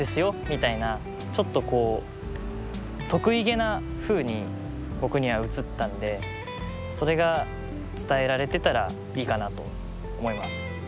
みたいなちょっとこう得意げなふうに僕には映ったんでそれが伝えられてたらいいかなと思います。